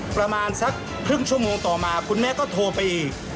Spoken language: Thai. ประมาณสักครึ่งชั่วโมงต่อมาคุณแม่ก็โทรไปอีก